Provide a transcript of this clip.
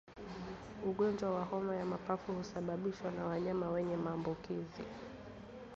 Ugonjwa wa homa ya mapafu husababishwa na wanyama wenye maambukizi